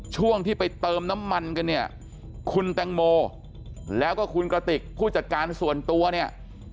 ช่วงที่ไปเติมน้ำมันกันเนี่ยคุณแตงโมแล้วก็คุณกระติกผู้จัดการส่วนตัวเนี่ย